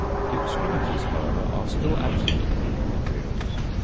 The extremities, however, are still absent in these embryos.